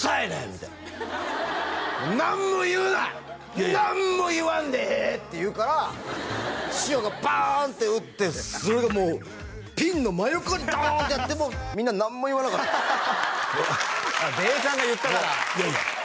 みたいな「何も言うな！何も言わんでええ」って言うから師匠がパーンって打ってそれがもうピンの真横にドーンってやってもみんな何も言わなかったああべーさんが言ったからいやいや